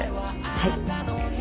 はい。